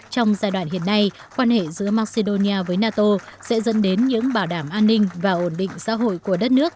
trong giai đoạn hiện nay quan hệ giữa macedonia với nato sẽ dẫn đến những bảo đảm an ninh và ổn định xã hội của đất nước